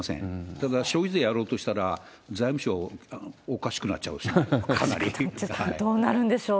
ただ、消費税やろうとしたら、財務省おかしくなっちゃうでしょ、どうなるんでしょう。